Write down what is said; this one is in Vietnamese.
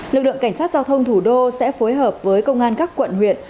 lực lượng cảnh sát giao thông thủ đô sẽ phối hợp với công an các quận huyện